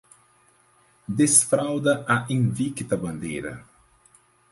Desfralda a invicta bandeira